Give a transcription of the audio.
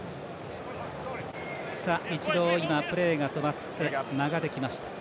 一度プレーが止まって間ができました。